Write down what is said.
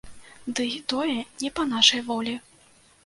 Дый тое не па нашай волі.